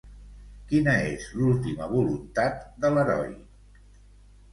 Quina és l'última voluntat de l'heroi?